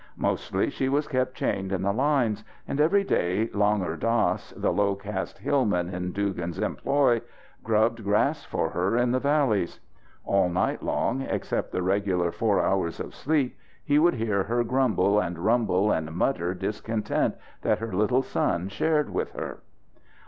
Mostly she was kept chained in the lines, and every day Langur Dass, the low caste hillman in Dugan's employ, grubbed grass for her in the valleys. All night long, except the regular four hours of sleep, he would hear her grumble and rumble and mutter discontent that her little son shared with her.